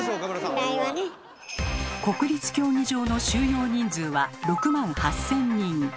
新国立競技場の収容人数は６万８，０００人。